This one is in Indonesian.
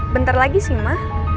bentar lagi sih ma